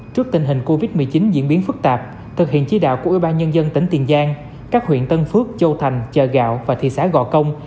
trước tình hình covid một mươi chín diễn biến phức tạp thực hiện chí đạo của ubnd tỉnh tiền giang các huyện tân phước châu thành chờ gạo và thị xã gò công